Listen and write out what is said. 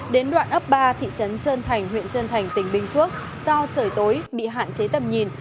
đến đoạn ấp ba thị trấn trơn thành huyện trơn thành tỉnh bình phước do trời tối bị hạn chế tầm nhìn